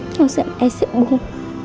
con sợ mẹ sẽ buồn